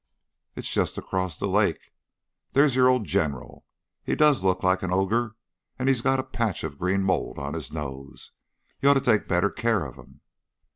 "It is just across the lake. There is your old General. He does look like an ogre, and he's got a patch of green mould on his nose. You ought to take better care of him."